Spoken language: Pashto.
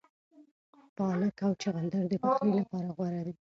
پالک او چغندر د پخلي لپاره غوره دي.